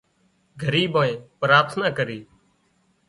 ڳريبائين پراٿنا ڪري